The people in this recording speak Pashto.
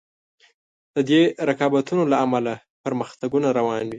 د دې رقابتونو له امله پرمختګونه روان وي.